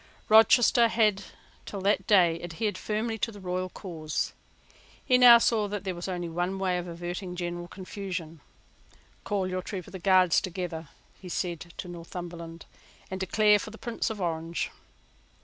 Rochester had till that day adhered firmly to the royal cause. He now saw that there was only one way of averting general confusion. "Call your troop of Guards together," he said to Northumberland, "and declare for the Prince of Orange."